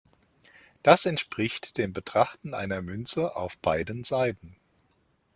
Das entspricht dem Betrachten einer Münze auf beiden Seiten.